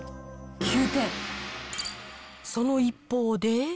その一方で。